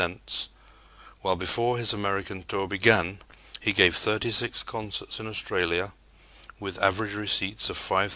50, while before this American tour began he gave thirty six concerts in Australia with average receipts of $5,000.